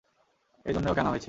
এজন্যই ওকে আনা হয়েছে।